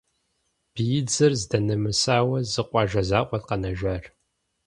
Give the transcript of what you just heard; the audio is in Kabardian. Биидзэр здынэмысауэ зы къуажэ закъуэт къэнэжар.